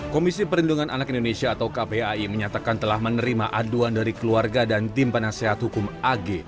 komisi perlindungan anak indonesia atau kpai menyatakan telah menerima aduan dari keluarga dan tim penasehat hukum ag